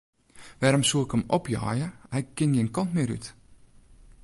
Wêrom soe ik him opjeie, hy kin gjin kant mear út.